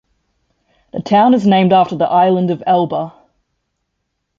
The town is named after the island of Elba.